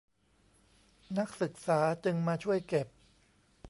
นักศึกษาจึงมาช่วยเก็บ